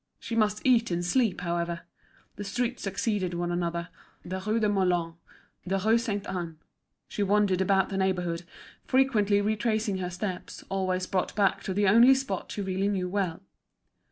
She must eat and sleep, however. The streets succeeded one another, the Rue des Moulins, the Rue Sainte Anne. She wandered about the neighbourhood, frequently retracing her steps, always brought back to the only spot she knew really well.